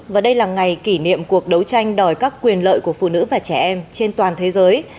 và đây là ngày kỷ niệm cuộc đấu tranh đòi các quyền lợi của phụ nữ và trẻ em trên toàn thế giới